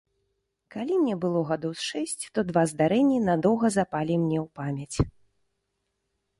Калі мне было гадоў з шэсць, то два здарэнні надоўга запалі мне ў памяць.